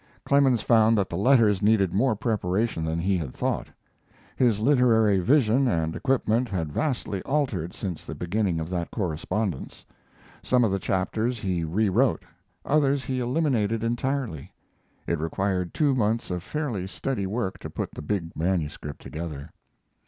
Clemens found that the letters needed more preparation than he had thought. His literary vision and equipment had vastly altered since the beginning of that correspondence. Some of the chapters he rewrote; others he eliminated entirely. It required two months of fairly steady work to put the big manuscript together.